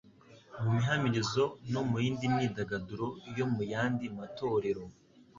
mu mihamirizo no mu yindi myidagaduro yo mu yandi matorero.